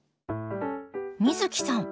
美月さん